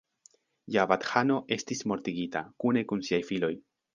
Javad-ĥano estis mortigita, kune kun siaj filoj.